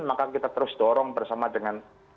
maka kita terus dorong bersama dengan